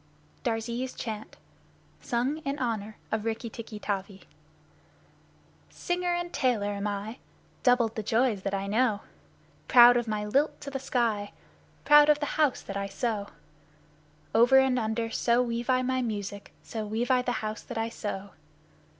Darzee's Chant (Sung in honor of Rikki tikki tavi) Singer and tailor am I Doubled the joys that I know Proud of my lilt to the sky, Proud of the house that I sew Over and under, so weave I my music so weave I the house that I sew.